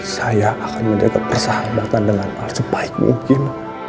saya akan menjadi kebersahabatan dengan al sebaik mungkin